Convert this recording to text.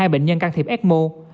hai mươi hai bệnh nhân can thiệp ecmo